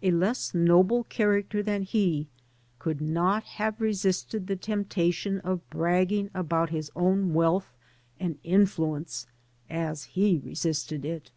A less noble character than he could not have resisted the temptation of i bragging about his own wealth and influence as he resisted it.